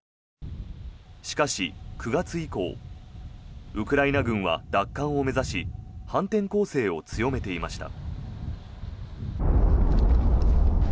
しかし、９月以降ウクライナ軍は奪還を目指し反転攻勢を強めていました。